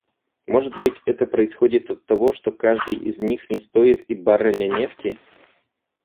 Может быть, это происходит оттого, что каждый из них не стоит и барреля нефти?